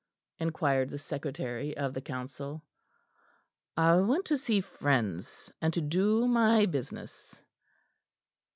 inquired the Secretary of the Council. "I went to see friends, and to do my business."